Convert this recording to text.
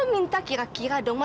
tuh kan tante sampai lupa